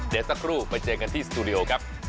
เดี๋ยวสักครู่ไปเจอกันที่สตูดิโอครับ